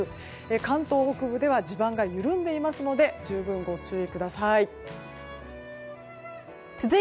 関東北部では地盤が緩んでいますので十分、ご注意ください。